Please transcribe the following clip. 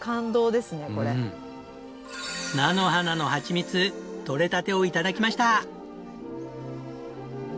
菜の花のはちみつとれたてを頂きました。